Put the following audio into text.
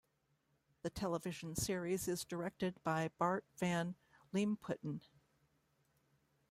The television series is directed by Bart Van Leemputten.